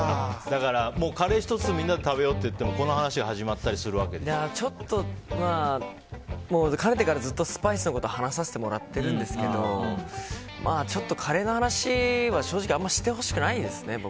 カレーをみんなで食べようってなってもかねてから、ずっとスパイスのことを話させてもらってるんですけどちょっとカレーの話は正直、あまり僕にしてほしくないです。